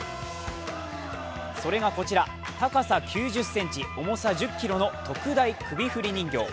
それがこちら、高さ９０ｃｍ、重さ１０ｋｇの特大首振り人形。